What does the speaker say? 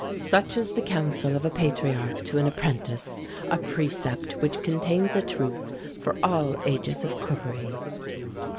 Such is the counsel of a patriarch to an apprentice! a precept which contains a truth for all ages of cookery.